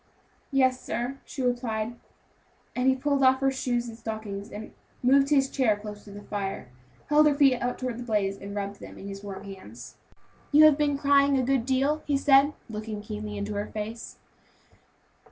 "Yes sir," she replied, and he pulled off her shoes and stockings, and moving his chair closer to the fire, held her feet out toward the blaze, and rubbed them in his warm hands. "You have been crying a good deal," he said, looking keenly into her face.